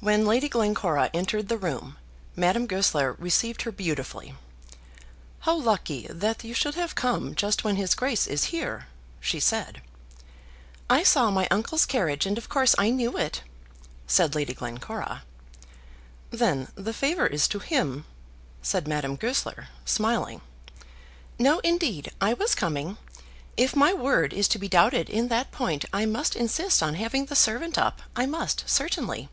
When Lady Glencora entered the room, Madame Goesler received her beautifully. "How lucky that you should have come just when his Grace is here!" she said. "I saw my uncle's carriage, and of course I knew it," said Lady Glencora. "Then the favour is to him," said Madame Goesler, smiling. "No, indeed; I was coming. If my word is to be doubted in that point, I must insist on having the servant up; I must, certainly.